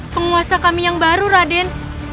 penguasa kami yang baru raden